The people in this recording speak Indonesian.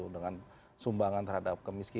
dengan sumbangan terhadap kemisikan